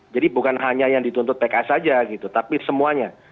jadi bukan hanya yang dituntut pks saja gitu tapi semuanya